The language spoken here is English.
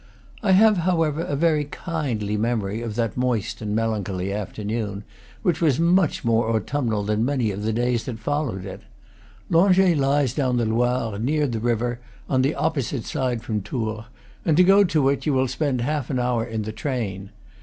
I have, how ever, a very kindly memory of that moist and melan choly afternoon, which was much more autumnal than many of the days that followed it. Langeais lies down the Loire, near the river, on the opposite side from Tours, and to go to it you will spend half an hour in the train.